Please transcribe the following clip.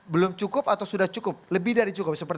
belum cukup atau sudah cukup